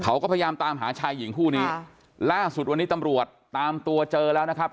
เขาก็พยายามตามหาชายหญิงคู่นี้ล่าสุดวันนี้ตำรวจตามตัวเจอแล้วนะครับ